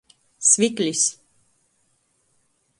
Sviklis.